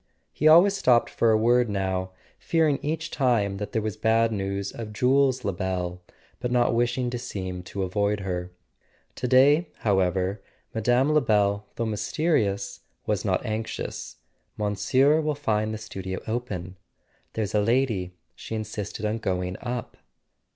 He always stopped for a word now; fearing each time that there was bad news of Jules Lebel, but not wishing to seem to avoid her. To day, however, Mme. Lebel, though mysterious, was not anxious. "Monsieur will find the studio open. There's a lady: she insisted on going up."